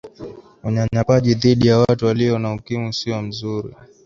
unyanyapaaji dhidi ya watu waliyo na ukimwi siyo mzuri